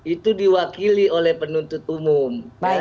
itu diwakili oleh penuntut umum